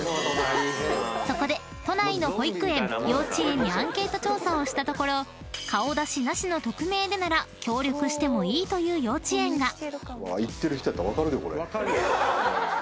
［そこで都内の保育園・幼稚園にアンケート調査をしたところ顔出しなしの匿名でなら協力してもいいという幼稚園が］